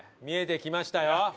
見えてきましたよ。